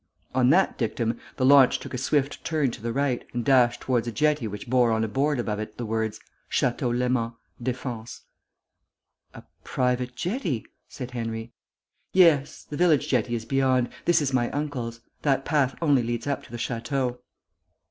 On that dictum, the launch took a swift turn to the right, and dashed towards a jetty which bore on a board above it the words, "Château Léman. Defense." "A private jetty," said Henry. "Yes. The village jetty is beyond. This is my uncle's. That path only leads up to the Château."